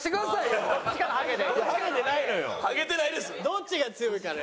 どっちが強いかね？